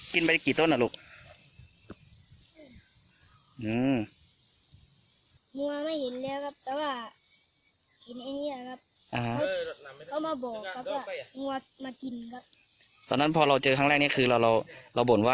อ่าเขามาบอกครับว่างัวมากินครับตอนนั้นพอเราเจอครั้งแรกเนี้ยคือเราเราบ่นว่า